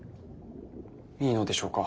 いいのでしょうか